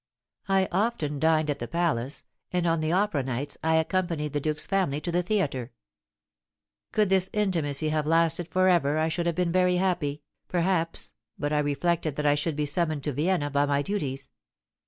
I often dined at the palace, and on the opera nights I accompanied the duke's family to the theatre. Could this intimacy have lasted for ever I should have been happy, perhaps, but I reflected that I should be summoned to Vienna by my duties.